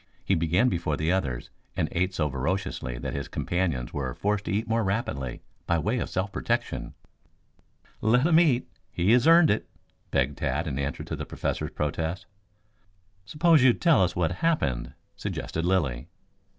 He began before the others and ate so voraciously that his companions were forced to eat more rapidly by way of self protection. "Let him eat. He has earned it," begged Tad in answer to the Professor's protest. "Suppose you tell us what happened," suggested Lilly.